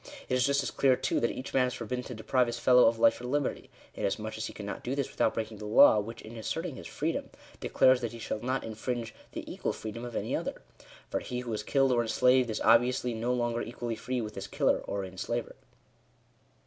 It is just as clear, too, that each man is forbidden to deprive his fellow of life or liberty : inasmuch as he cannot do this without breaking the law, which, in asserting his freedom, declares that he shall not infringe " the equal freedom of any other." For he who is killed or enslaved is obviously no longer equally free with his killer or enslaver.